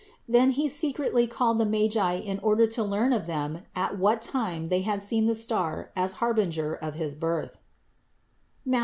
Then he secretly called the Magi in order to learn of them at what time they had seen the star as harbinger of his Birth (Matth.